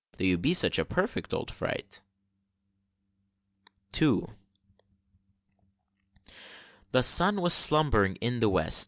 Though you be such a perfect old fright! II. The sun was slumbering in the West.